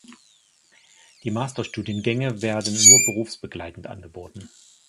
Die Masterstudiengänge werden nur berufsbegleitend angeboten.